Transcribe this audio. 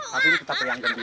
tapi ini tetap yang gendut